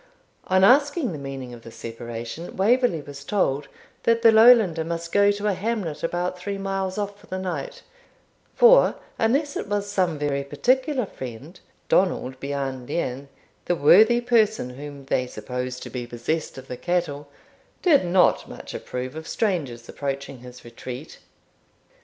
On asking the meaning of this separation, Waverley was told that the Lowlander must go to a hamlet about three miles off for the night; for unless it was some very particular friend, Donald Bean Lean, the worthy person whom they supposed to be possessed of the cattle, did not much approve of strangers approaching his retreat.